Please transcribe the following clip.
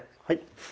はい。